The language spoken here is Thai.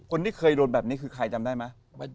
คนที่เคยโดนแบบนี้คือใครจำได้ไหม